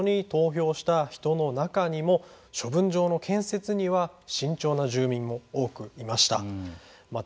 ただ、町長選挙で片岡町長に投票した人の中にも処分場の建設には慎重な住民も多くいました。